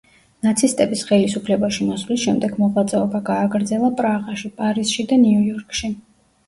ნაცისტების ხელისუფლებაში მოსვლის შემდეგ მოღვაწეობა გააგრძელა პრაღაში, პარიზში და ნიუ-იორკში.